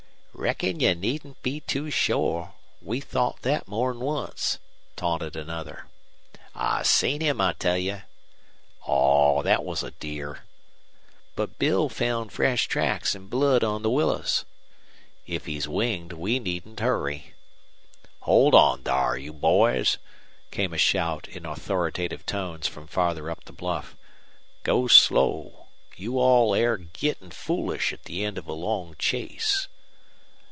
"Reckon ye needn't be too shore. We thought thet more'n once," taunted another. "I seen him, I tell you." "Aw, thet was a deer." "But Bill found fresh tracks an' blood on the willows." "If he's winged we needn't hurry." "Hold on thar, you boys," came a shout in authoritative tones from farther up the bluff. "Go slow. You all air gittin' foolish at the end of a long chase."